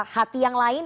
hati yang lain